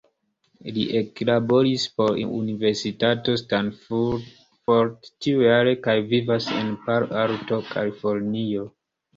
Li eklaboris por Universitato Stanford tiujare kaj vivas en Palo Alto, Kalifornio.